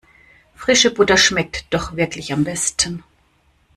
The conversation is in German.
Frische Butter schmeckt doch wirklich am besten.